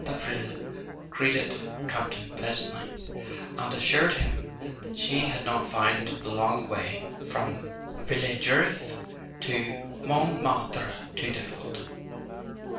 Davril greeted Campton pleasantly, and as¬ sured him that she had not found the long way from Villejuif to Montmartre too difficult.